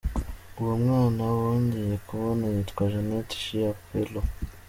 Uwo mwana bongeye kubona yitwa Jeannette Chiapello.